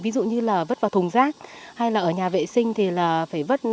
ví dụ như là vứt vào thùng rác hay là ở nhà vệ sinh thì là phải vứt